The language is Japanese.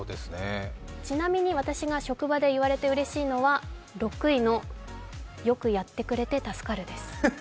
ちなみに私が職場で言われてうれしいのは、６位の「よくやってくれて助かる」です。